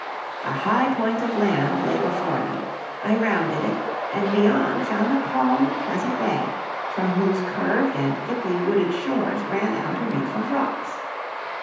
"A high point of land lay before me. I rounded it, and beyond found a calm and pleasant bay, from whose curved and thickly wooded shores ran out a reef of rocks.